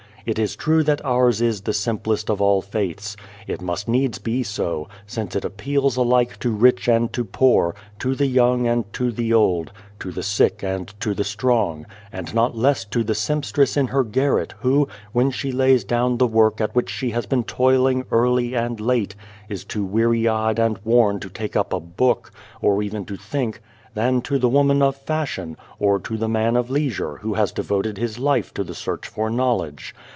It is true that ours is the simplest of all faiths. It must needs be so, since it appeals alike to rich and to poor, to the young and to the old, to the sick and to the strong; and not less to the sempstress in her garret, who, when she lays down the work at which she has been toiling early and late, is too weary eyed and worn to take up a book, or even to think, than to the woman of fashion, or to the man of leisure who has devoted his life to the search for knowledge.